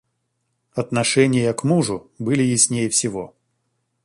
Отношения к мужу были яснее всего.